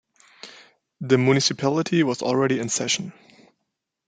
The municipality was already in session.